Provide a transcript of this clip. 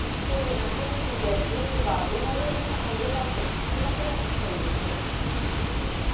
当時、夏休みで家には上田容疑者と雄大君２人だけだったということです。